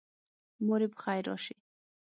موري پخیر راشي